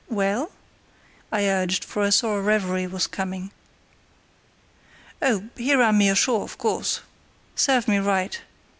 "Well?" I urged, for I saw a reverie was coming. "Oh! he ran me ashore, of course. Served me right.